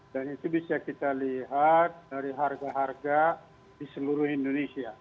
dan itu bisa kita lihat dari harga harga di seluruh indonesia